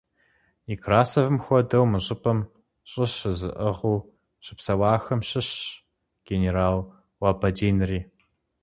Некрасовым хуэдэу мы щӀыпӀэм щӀы щызыӀыгъыу щыпсэуахэм щыщщ генерал Лабадинри.